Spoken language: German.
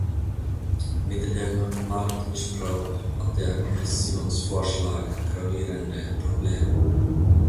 Mit dem Marktmissbrauch hat der Kommissionsvorschlag gravierende Probleme.